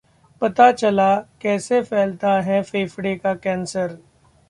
पता चला कैसे फैलता है फेफड़े का कैंसर